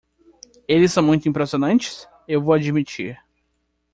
Eles são muito impressionantes? eu vou admitir.